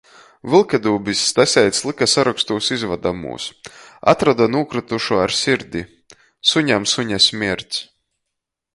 Vylkadūbis Staseits lyka sarokstūs izvadamūs. Atroda nūkrytušu ar sirdi. Suņam suņa smierts.